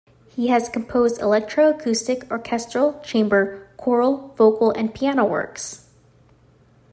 He has composed electroacoustic, orchestral, chamber, choral, vocal and piano works.